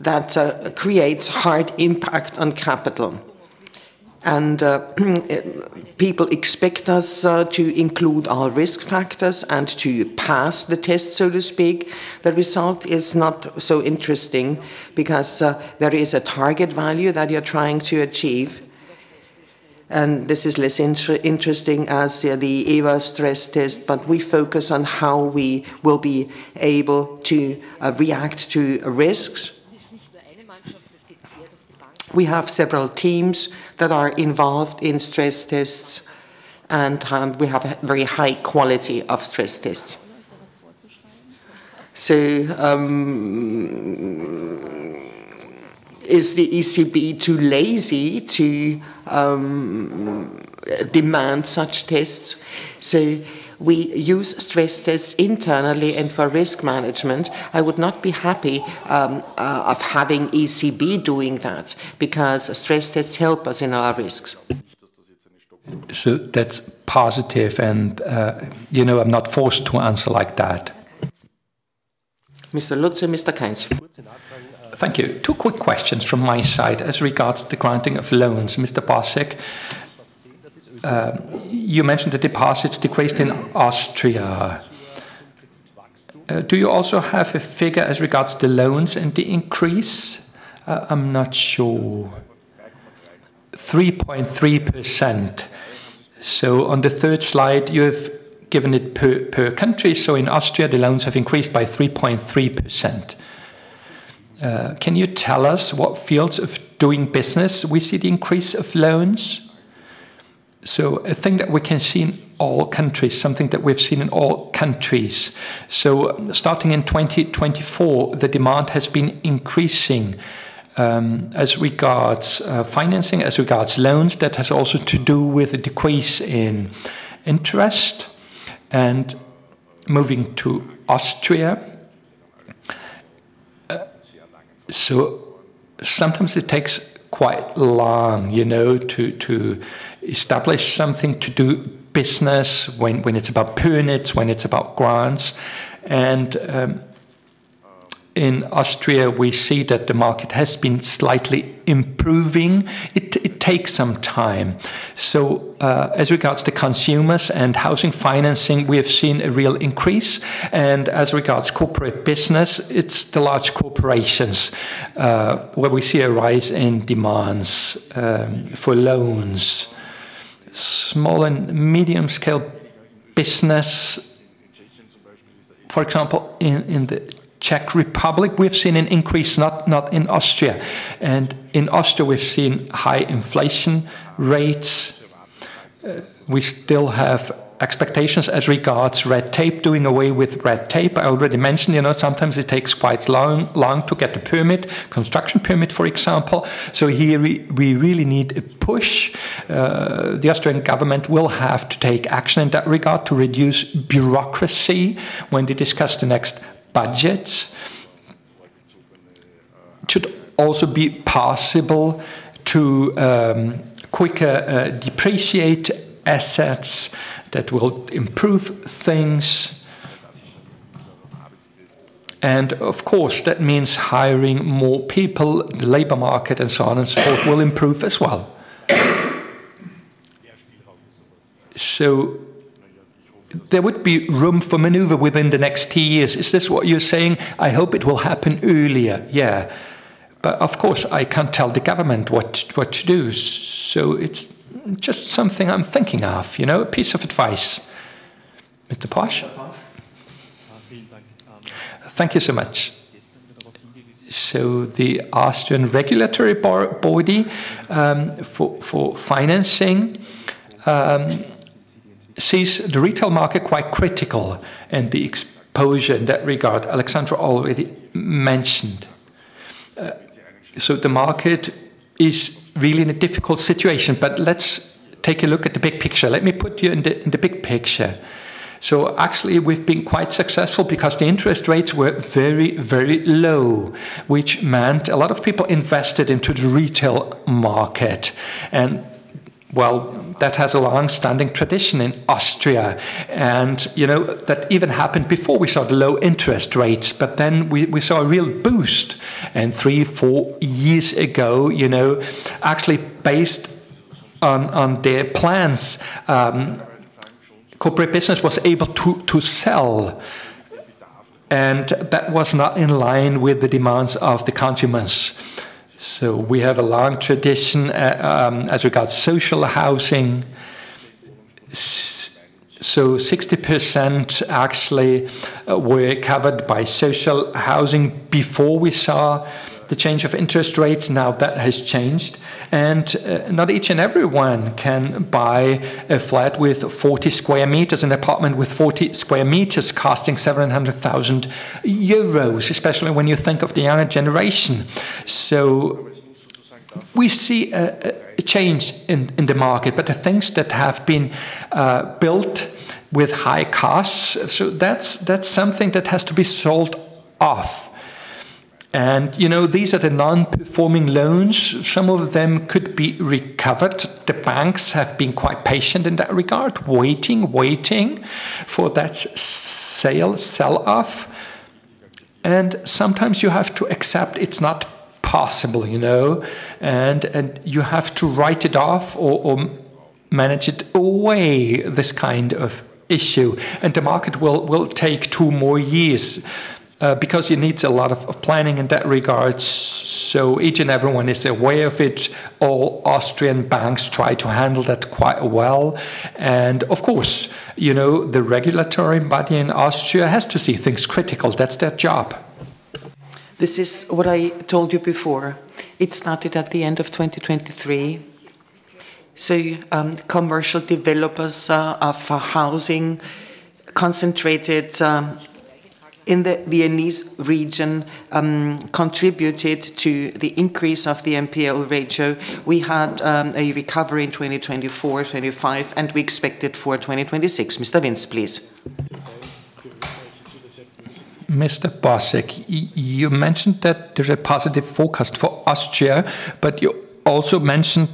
that creates hard impact on capital. People expect us to include all risk factors and to pass the test, so to speak. The result is not so interesting because there is a target value that you're trying to achieve, and this is less interesting as the EBA stress test, but we focus on how we will be able to react to risks. We have several teams that are involved in stress tests, and we have a very high quality of stress tests. Is the ECB too lazy to demand such tests? We use stress tests internally and for risk management. I would not be happy of having ECB doing that, because stress tests help us in our risks. That's positive and, you know, I'm not forced to answer like that. [Mr. Lutze and Mr. Kainz.] Thank you. Two quick questions from my side as regards to the granting of loans. Mr. Bosek, you mentioned the deposits decreased in Austria. Do you also have a figure as regards to the loans and the increase? I'm not sure. 3.3%. On the third slide, you have given it per country. In Austria, the loans have increased by 3.3%. Can you tell us what fields of doing business we see the increase of loans? A thing that we can see in all countries, something that we've seen in all countries, starting in 2024, the demand has been increasing as regards financing, as regards loans. That has also to do with a decrease in interest and moving to Austria. Sometimes it takes quite long, you know, to establish something, to do business when it's about permits, when it's about grants, and in Austria, we see that the market has been slightly improving. It takes some time. As regards to consumers and housing financing, we have seen a real increase, and as regards corporate business, it's the large corporations, where we see a rise in demands for loans. Small and medium scale business, for example, in the Czech Republic, we've seen an increase, not in Austria. In Austria, we've seen high inflation rates. We still have expectations as regards red tape, doing away with red tape. I already mentioned, you know, sometimes it takes quite long to get a permit, construction permit, for example. Here we really need a push. The Austrian government will have to take action in that regard to reduce bureaucracy when they discuss the next budgets. It should also be possible to quicker depreciate assets that will improve things. Of course, that means hiring more people, the labor market and so on and so forth will improve as well. There would be room for maneuver within the next two years. Is this what you're saying? I hope it will happen earlier. Yeah. Of course, I can't tell the government what to, what to do, so it's just something I'm thinking of, you know, a piece of advice. [Mr. Pasch?] Thank you so much. The Austrian regulatory body for financing sees the retail market quite critical and the exposure in that regard, Alexandra already mentioned. The market is really in a difficult situation. Let's take a look at the big picture. Let me put you in the, in the big picture. Actually, we've been quite successful because the interest rates were very, very low, which meant a lot of people invested into the retail market. Well, that has a long-standing tradition in Austria, and, you know, that even happened before we saw the low interest rates. We saw a real boost, and three, four years ago, you know, actually based on their plans, corporate business was able to sell. That was not in line with the demands of the consumers. We have a long tradition as regards social housing. 60% actually were covered by social housing before we saw the change of interest rates. Now, that has changed, and not each and everyone can buy a flat with 40 sq m, an apartment with 40 sq m costing 700,000 euros, especially when you think of the younger generation. We see a change in the market, but the things that have been built with high costs, that's something that has to be sold off. You know, these are the non-performing loans. Some of them could be recovered. The banks have been quite patient in that regard, waiting for that sale, sell-off. Sometimes you have to accept it's not possible, you know, and you have to write it off or manage it away, this kind of issue. The market will take two more years because it needs a lot of planning in that regards, so each and everyone is aware of it. All Austrian banks try to handle that quite well. Of course, you know, the regulatory body in Austria has to see things critical. That's their job. This is what I told you before. It started at the end of 2023. Commercial developers of housing concentrated in the Viennese region contributed to the increase of the NPL ratio. We had a recovery in 2024, 2025, and we expect it for 2026. [Mr. Vince], please. Mr. Bosek, you mentioned that there's a positive forecast for Austria, but you also mentioned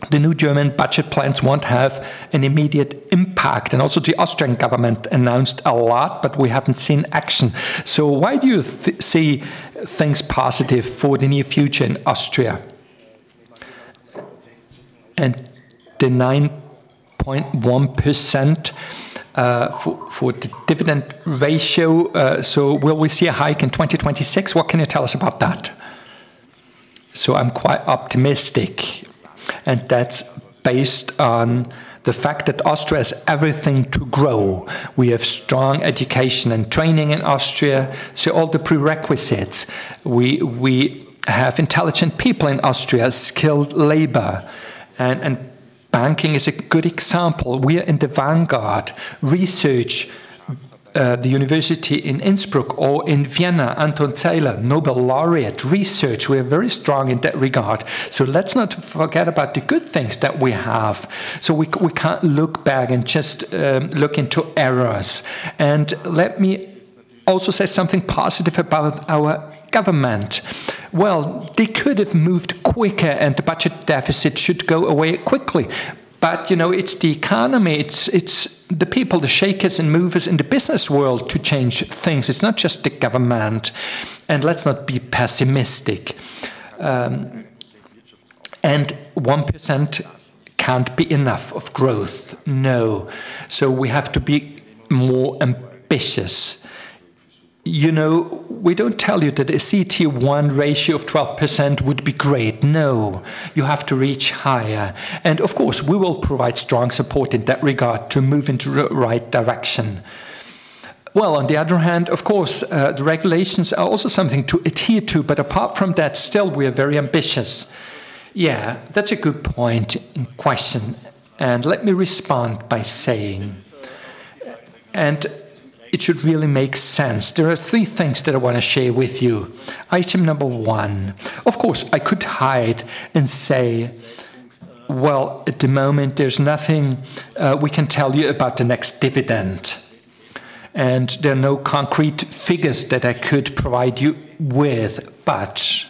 that the new German budget plans won't have an immediate impact, and also the Austrian government announced a lot, but we haven't seen action. Why do you see things positive for the near future in Austria? The 9.1% for the dividend ratio, will we see a hike in 2026? What can you tell us about that? I'm quite optimistic, and that's based on the fact that Austria has everything to grow. We have strong education and training in Austria, so all the prerequisites. We have intelligent people in Austria, skilled labor, and banking is a good example. We are in the vanguard. Research, the university in Innsbruck or in Vienna. Anton Zeilinger, Nobel laureate. Research, we are very strong in that regard. Let's not forget about the good things that we have. We can't look back and just look into errors. Let me also say something positive about our government. Well, they could have moved quicker, and the budget deficit should go away quickly. You know, it's the economy. It's the people, the shakers and movers in the business world to change things. It's not just the government, and let's not be pessimistic. 1% can't be enough of growth, no. We have to be more ambitious. You know, we don't tell you that a CET1 ratio of 12% would be great. No, you have to reach higher, and of course, we will provide strong support in that regard to move into the right direction. Well, on the other hand, of course, the regulations are also something to adhere to, but apart from that, still, we are very ambitious. Yeah, that's a good point and question, and let me respond by saying, it should really make sense. There are three things that I wanna share with you. Item number one, of course, I could hide and say, "Well, at the moment, there's nothing we can tell you about the next dividend, and there are no concrete figures that I could provide you with," but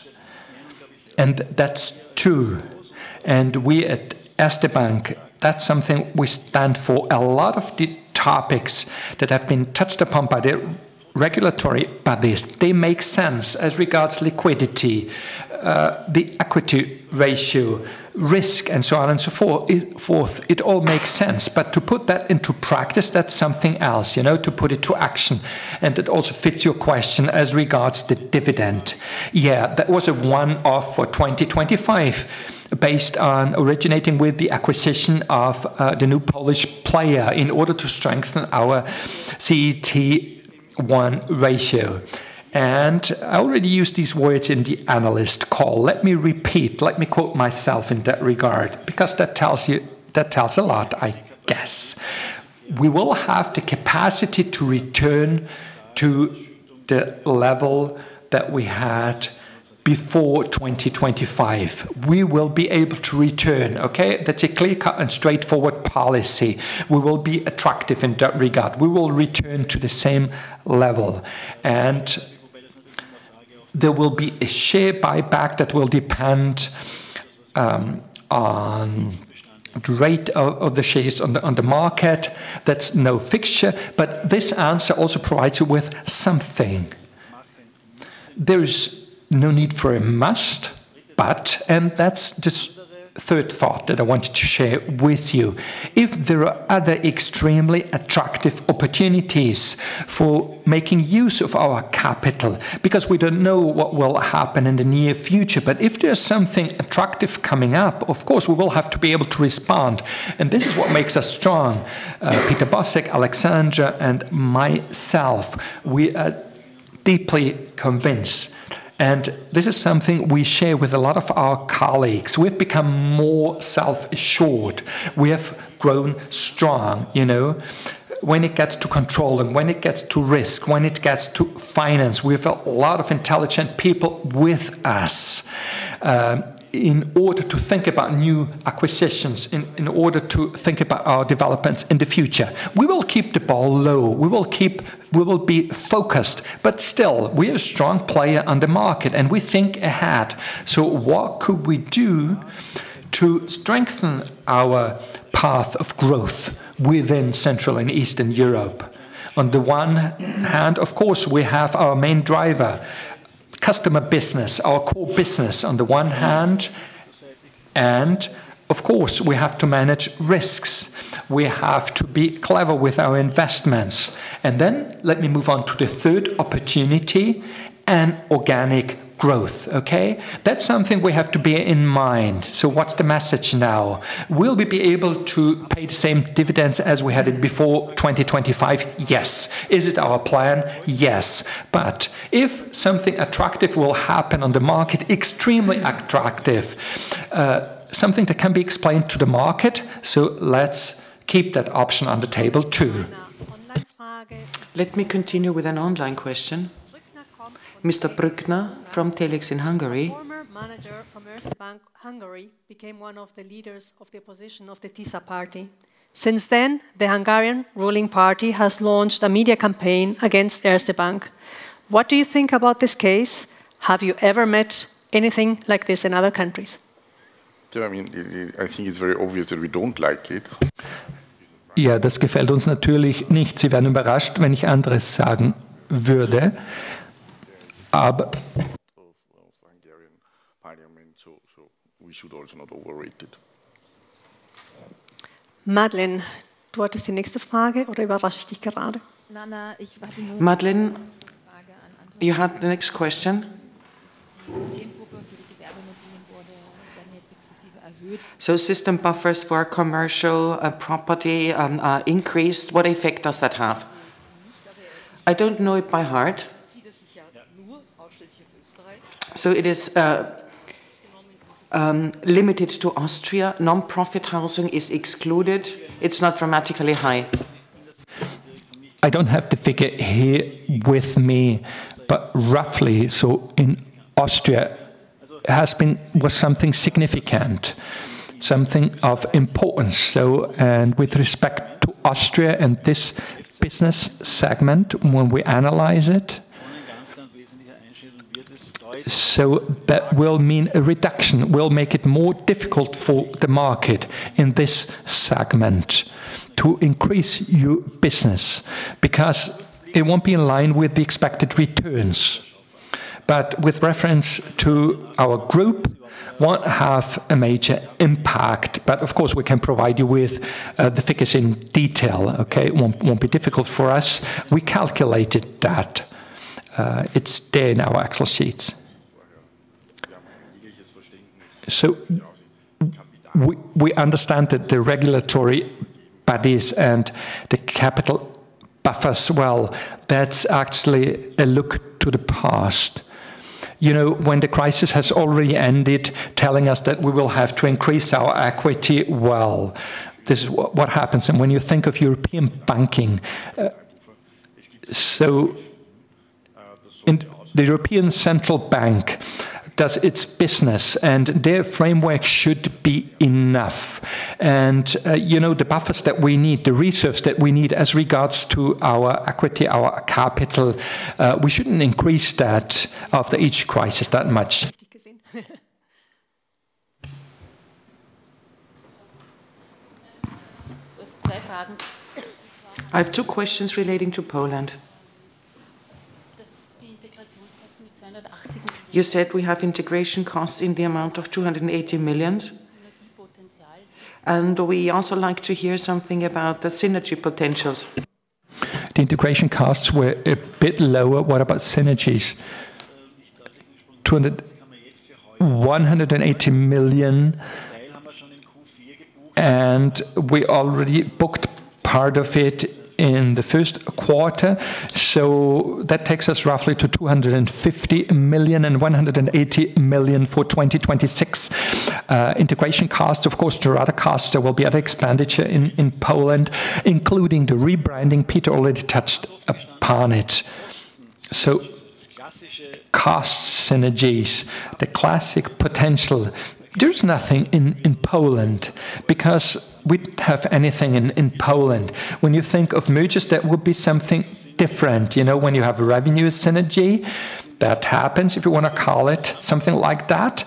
that's true. We at the bank, that's something we stand for. A lot of the topics that have been touched upon by the regulatory bodies, they make sense as regards liquidity, the equity ratio, risk, and so on and so forth. It all makes sense. To put that into practice, that's something else, you know, to put it to action, and it also fits your question as regards to dividend. That was a one-off for 2025, based on originating with the acquisition of the new Polish player in order to strengthen our CET1 ratio. I already used these words in the analyst call. Let me repeat, let me quote myself in that regard, because that tells you, that tells a lot, I guess. We will have the capacity to return to the level that we had before 2025. We will be able to return, okay? That's a clear-cut and straightforward policy. We will be attractive in that regard. We will return to the same level, and there will be a share buyback that will depend on the rate of the shares on the market. That's no fixture. This answer also provides you with something. There is no need for a must. That's this third thought that I wanted to share with you. If there are other extremely attractive opportunities for making use of our capital, because we don't know what will happen in the near future, but if there's something attractive coming up, of course, we will have to be able to respond, and this is what makes us strong. Peter Bosek, Alexandra, and myself, we are deeply convinced, and this is something we share with a lot of our colleagues. We've become more self-assured. We have grown strong, you know? When it gets to control and when it gets to risk, when it gets to finance, we have a lot of intelligent people with us, in order to think about new acquisitions, in order to think about our developments in the future. We will keep the bar low. We will be focused. Still, we are a strong player on the market, and we think ahead. What could we do to strengthen our path of growth within Central and Eastern Europe? On the one hand, of course, we have our main driver, customer business, our core business on the one hand, and of course, we have to manage risks. We have to be clever with our investments. Let me move on to the third opportunity, and organic growth, okay. That's something we have to bear in mind. What's the message now? Will we be able to pay the same dividends as we had it before 2025? Yes. Is it our plan? Yes. If something attractive will happen on the market, extremely attractive, something that can be explained to the market, let's keep that option on the table, too. Let me continue with an online question. Mr. Brückner from Telex in Hungary. A former manager from Erste Bank, Hungary, became one of the leaders of the opposition of the Tisza Party. Since then, the Hungarian ruling party has launched a media campaign against Erste Bank. What do you think about this case? Have you ever met anything like this in other countries? I mean, I think it's very obvious that we don't like it. That's good for us, naturally, nicht? Sie werden überrascht, wenn ich anderes sagen würde. Of Hungarian parliament, so we should also not overrate it. [Madeleine], du hattest die nächste Frage oder überrasche ich dich gerade? Na, na. Madeleine, you had the next question. System buffers for commercial property are increased. What effect does that have? I don't know it by heart. It is limited to Austria. Nonprofit housing is excluded. It's not dramatically high. I don't have the figure here with me, but roughly, in Austria, it was something significant, something of importance. With respect to Austria and this business segment, when we analyze it, that will mean a reduction, will make it more difficult for the market in this segment to increase your business because it won't be in line with the expected returns. With reference to our group, won't have a major impact, but of course, we can provide you with the figures in detail, okay? It won't be difficult for us. We calculated that. It's there in our Excel sheets. We understand that the regulatory bodies and the capital buffers, well, that's actually a look to the past. You know, when the crisis has already ended, telling us that we will have to increase our equity, well, this is what happens and when you think of European banking. In the European Central Bank does its business. Their framework should be enough. You know, the buffers that we need, the resource that we need as regards to our equity, our capital, we shouldn't increase that after each crisis that much. There's two questions. I have two questions relating to Poland. You said we have integration costs in the amount of 280 million. Potential. We also like to hear something about the synergy potentials. The integration costs were a bit lower. What about synergies? EUR 200 million, EUR 180 million. We already booked part of it in the first quarter. That takes us roughly to 250 million and 180 million for 2026. Integration cost, of course, there are other costs. There will be other expenditure in Poland, including the rebranding. Peter already touched upon it. Cost synergies, the classic potential, there's nothing in Poland because we don't have anything in Poland. When you think of mergers, that would be something different. You know, when you have a revenue synergy, that happens, if you wanna call it something like that.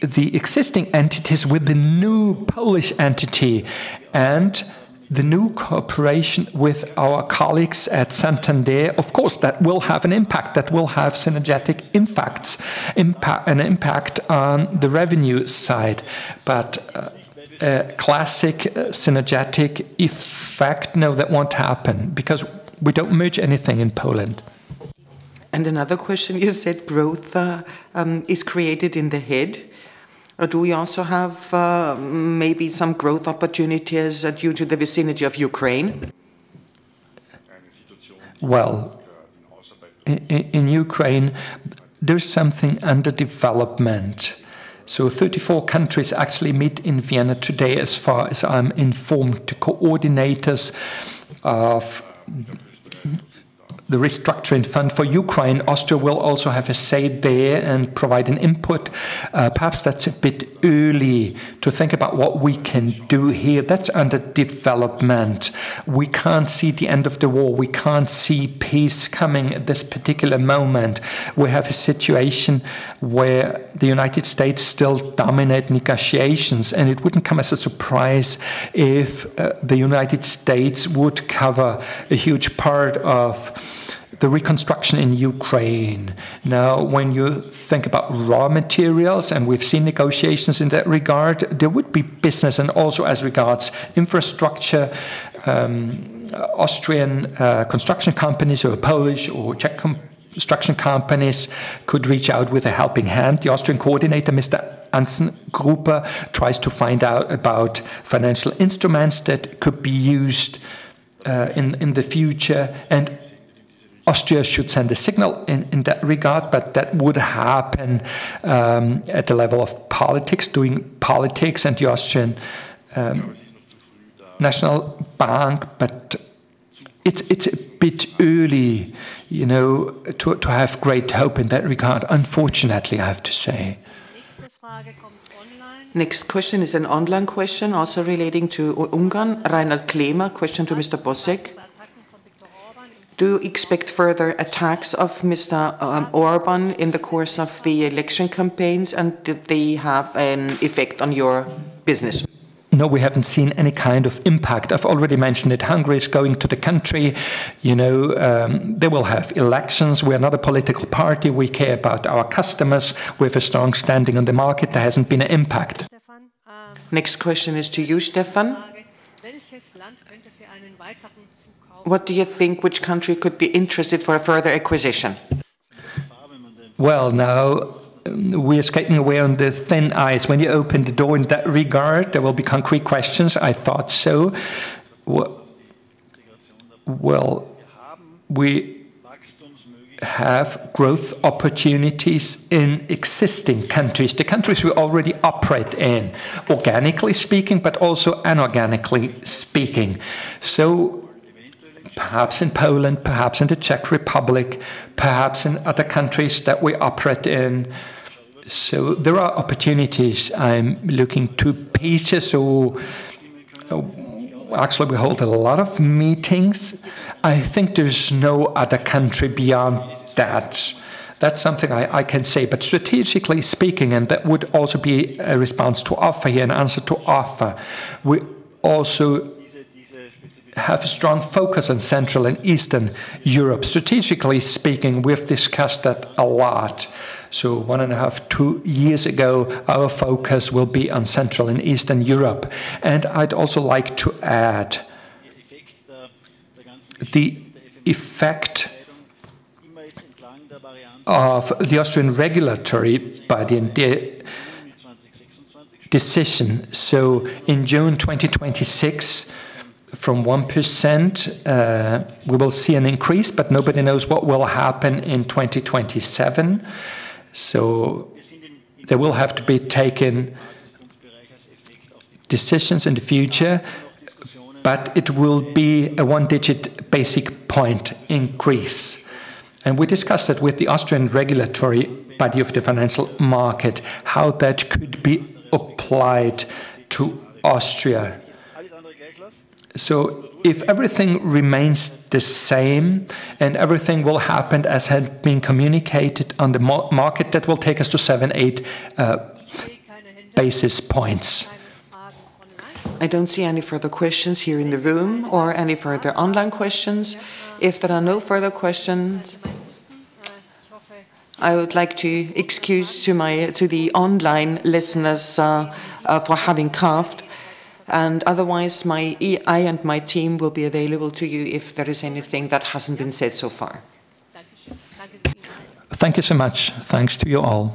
The existing entities with the new Polish entity and the new cooperation with our colleagues at Santander, of course, that will have an impact. That will have synergetic impacts, an impact on the revenue side. A classic synergetic effect, no, that won't happen because we don't merge anything in Poland. Another question, you said growth is created in the head. Do we also have maybe some growth opportunities due to the vicinity of Ukraine? Well, in Ukraine, there's something under development. 34 countries actually meet in Vienna today, as far as I'm informed, the coordinators of the restructuring fund for Ukraine. Austria will also have a say there and provide an input. Perhaps that's a bit early to think about what we can do here. That's under development. We can't see the end of the war. We can't see peace coming at this particular moment. We have a situation where the United States still dominate negotiations, and it wouldn't come as a surprise if the United States would cover a huge part of the reconstruction in Ukraine. Now, when you think about raw materials, and we've seen negotiations in that regard, there would be business, and also as regards infrastructure, Austrian construction companies or Polish or Czech construction companies could reach out with a helping hand. The Austrian coordinator, Mr. [Andreas] Gruber, tries to find out about financial instruments that could be used in the future, and Austria should send a signal in that regard. That would happen at the level of politics, doing politics and the Austrian National Bank. It's a bit early, you know, to have great hope in that regard, unfortunately, I have to say. Next question is an online question, also relating to Ungarn. Rainer Klima, question to Mr. Bosek. Do you expect further attacks of Mr. Orbán in the course of the election campaigns, and do they have an effect on your business? No, we haven't seen any kind of impact. I've already mentioned that Hungary is going to the country. You know, they will have elections. We are not a political party. We care about our customers. We have a strong standing on the market. There hasn't been an impact. Next question is to you, Stefan. What do you think which country could be interested for a further acquisition? Now, we are skating away on the thin ice. When you open the door in that regard, there will be concrete questions, I thought so. We have growth opportunities in existing countries, the countries we already operate in, organically speaking, but also inorganically speaking. Perhaps in Poland, perhaps in the Czech Republic, perhaps in other countries that we operate in. There are opportunities. I'm looking two pieces, actually, we hold a lot of meetings. I think there's no other country beyond that. That's something I can say, strategically speaking, and that would also be a response to offer here, an answer to offer. We also have a strong focus on Central and Eastern Europe. Strategically speaking, we've discussed that a lot. One and a half, two years ago, our focus will be on Central and Eastern Europe. I'd also like to add the effect of the Austrian regulatory [body] decision. In June 2026, from 1%, we will see an increase, but nobody knows what will happen in 2027. There will have to be taken decisions in the future, but it will be a one-digit basic point increase. We discussed that with the Austrian regulatory body of the financial market, how that could be applied to Austria. If everything remains the same and everything will happen as had been communicated on the market, that will take us to 7, 8 basis points. I don't see any further questions here in the room or any further online questions. If there are no further questions, I would like to excuse to the online listeners for having coughed. Otherwise, my I and my team will be available to you if there is anything that hasn't been said so far. Thank you so much. Thanks to you all.